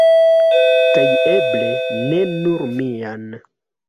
Kaj eble, ne nur mian.